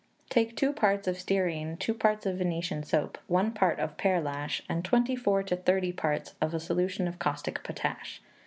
Take two parts of stearine, two parts of Venetian soap, one part of pearlash, and twenty four to thirty parts of a solution of caustic potash.